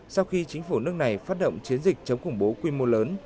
sau khi chính phủ nước này phát động chiến dịch chống khủng bố quy mô lớn